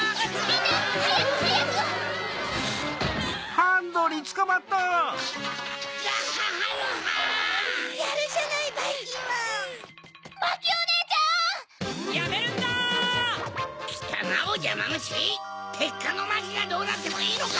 てっかのマキがどうなってもいいのか？